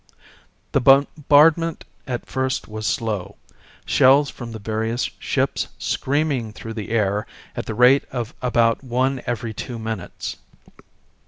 "The bombardment at first was slow, shells from the various ships screaming through the air at the rate of about one every two minutes.